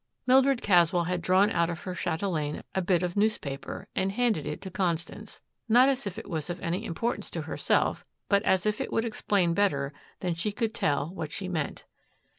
Mildred Caswell had drawn out of her chatelaine a bit of newspaper and handed it to Constance, not as if it was of any importance to herself but as if it would explain better than she could tell what she meant.